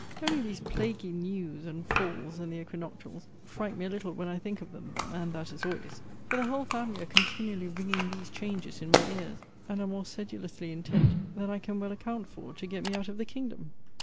Only these plaguy news and fulls, and the equinoctals, fright me a little when I think of them; and that is always: for the whole family are continually ringing these changes in my ears, and are more sedulously intent, than I can well account for, to get me out of the kingdom.